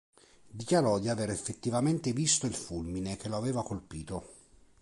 Dichiarò di aver effettivamente visto il fulmine che lo aveva colpito.